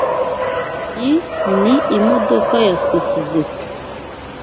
yi ni imodoka ya sosizoete.